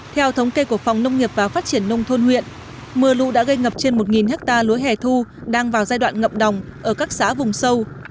theo thống kê của phòng nông nghiệp và phát triển nông thôn huyện mưa lũ đã gây ngập trên một ha lúa hẻ thu đang vào giai đoạn ngập đồng ở các xã vùng sâu